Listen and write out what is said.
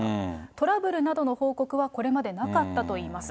トラブルなどの報告はこれまでなかったといいます。